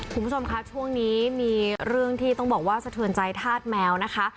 คุณผู้ชมคะช่วงนี้มีเรื่องที่ต้องบอกว่าสะเทือนใจธาตุแมวนะคะ